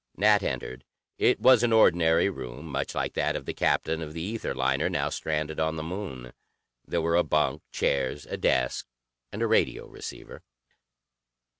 Nat entered. It was an ordinary room, much like that of the captain of the ether liner now stranded on the Moon. There were a bunk, chairs, a desk and a radio receiver.